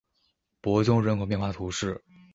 伯宗人口变化图示